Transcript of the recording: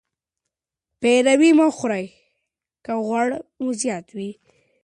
پیروي مه خورئ که غوړ مو زیات وي.